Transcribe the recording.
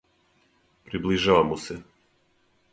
Приближава му се.